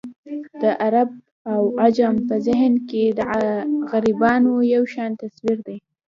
د عرب او عجم په ذهن کې د غربیانو یو شان تصویر دی.